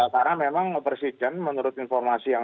karena memang presiden menurut informasi yang